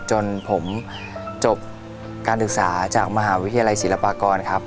จนผมจบการศึกษาจากมหาวิทยาลัยศิลปากรครับ